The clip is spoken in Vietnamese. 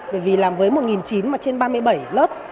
bởi vì làm với một chín trăm linh mà trên ba mươi bảy lớp